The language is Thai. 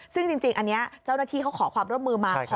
ซึ่งจริงอันนี้เจ้าหน้าที่เขาขอความร่วมมือมา